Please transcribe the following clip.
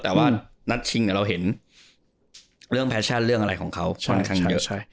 แต่ว่านัดชิงเราเห็นเรื่องแฟชั่นเรื่องอะไรของเขาค่อนข้างเยอะ